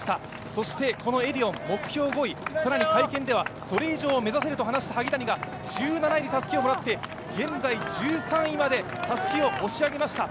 そしてこのエディオン、目標５位、更に会見ではそれ以上目指せると話した萩谷が１７位でたすきをもらって、現在１３位までたすきを押し上げました。